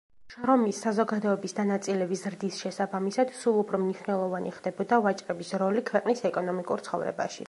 შრომის საზოგადოების დანაწილების ზრდის შესაბამისად, სულ უფრო მნიშვნელოვანი ხდებოდა ვაჭრების როლი ქვეყნის ეკონომიკურ ცხოვრებაში.